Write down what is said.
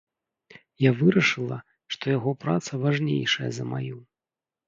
Я вырашыла, што яго праца важнейшая за маю.